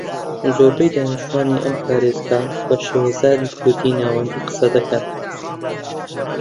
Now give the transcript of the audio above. زۆربەی دانیشتوانی ئەم پارێزگا بە شێوەزاری کوردیی ناوەندی قسە دەکەن